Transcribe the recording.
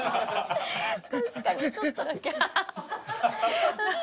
確かにちょっとだけハハハッ！